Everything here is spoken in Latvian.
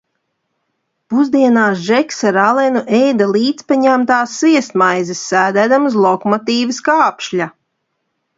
Pusdienās Džeks ar Alenu ēda līdzpaņemtās sviestmaizes, sēdēdami uz lokomotīves kāpšļa.